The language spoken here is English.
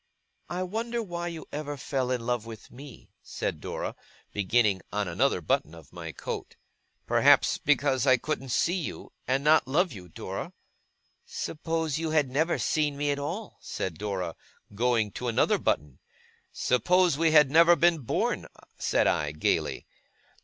'I wonder why you ever fell in love with me?' said Dora, beginning on another button of my coat. 'Perhaps because I couldn't see you, and not love you, Dora!' 'Suppose you had never seen me at all,' said Dora, going to another button. 'Suppose we had never been born!' said I, gaily.